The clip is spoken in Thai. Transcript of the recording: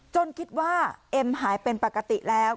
คิดว่าเอ็มหายเป็นปกติแล้ว